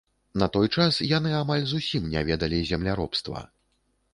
На той час яны амаль зусім не ведалі земляробства.